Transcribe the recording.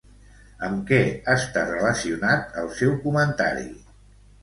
Amb què està relacionat el seu comentari?